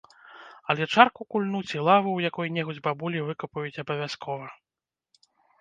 Але чарку кульнуць і лаву ў якой-небудзь бабулі выкапаюць абавязкова.